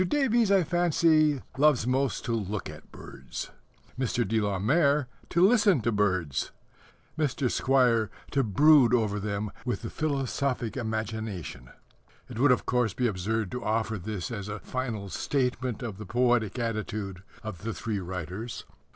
Davies, I fancy, loves most to look at birds; Mr. de la Mare to listen to birds; Mr. Squire to brood over them with the philosophic imagination. It would, of course, be absurd to offer this as a final statement of the poetic attitude of the three writers.